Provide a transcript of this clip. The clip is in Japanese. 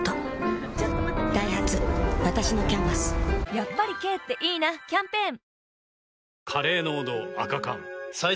やっぱり軽っていいなキャンペーン